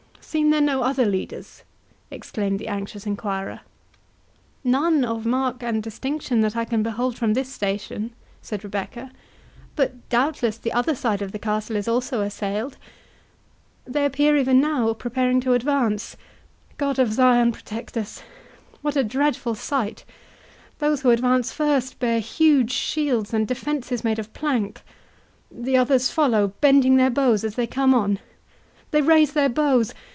"Seem there no other leaders?" exclaimed the anxious enquirer. "None of mark and distinction that I can behold from this station," said Rebecca; "but, doubtless, the other side of the castle is also assailed. They appear even now preparing to advance—God of Zion, protect us!—What a dreadful sight!—Those who advance first bear huge shields and defences made of plank; the others follow, bending their bows as they come on.—They raise their bows!